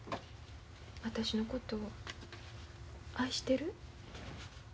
私のこと愛してる？